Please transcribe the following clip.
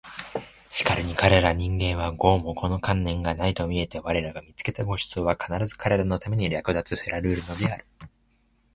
しかるに彼等人間は毫もこの観念がないと見えて我等が見付けた御馳走は必ず彼等のために掠奪せらるるのである